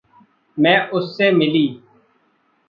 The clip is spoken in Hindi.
मैं उससे मिली।